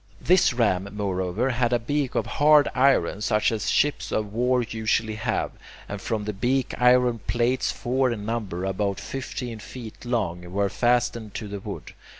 This ram, moreover, had a beak of hard iron such as ships of war usually have, and from the beak iron plates, four in number, about fifteen feet long, were fastened to the wood.